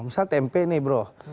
misalnya tempe nih bro